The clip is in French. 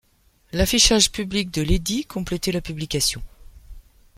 L'affichage public de l'édit complétait la publication.